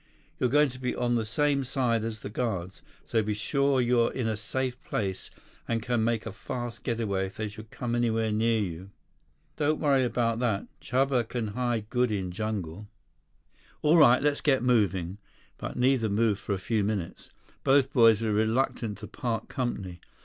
You're going to be on the same side as the guards, so be sure you're in a safe place and can make a fast getaway if they should come anywhere near you." "Don't worry about that. Chuba can hide good in jungle." "All right, let's get moving." But neither moved for a few minutes. Both boys were reluctant to part company.